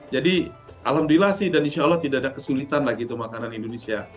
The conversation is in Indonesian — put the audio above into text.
jadi alhamdulillah sih dan insya allah tidak ada kesulitan lah gitu makanan indonesia